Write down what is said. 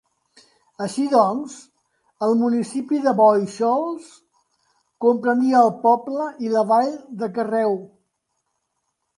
Així doncs, el municipi de Bóixols comprenia el poble i la vall de Carreu.